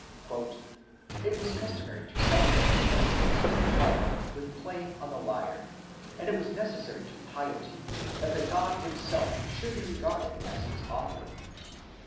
'" It was customary to celebrate the festivals of Apollo with playing on the lyre, and it was necessary to piety, that the god himself should be regarded as its author.